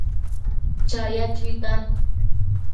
chaya chuitan